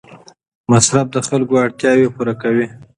مصرف د خلکو اړتیاوې پوره کوي.